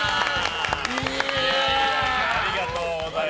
ありがとうございます。